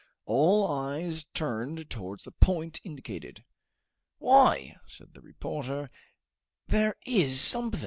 All eyes turned towards the point indicated. "Why," said the reporter, "there is something.